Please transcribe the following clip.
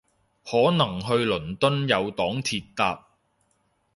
可能去倫敦有黨鐵搭